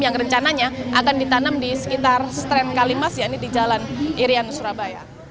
yang rencananya akan ditanam di sekitar strem kalimas ya ini di jalan irian surabaya